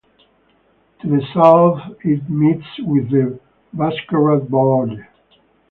To the south, it meets with the Buskerud border.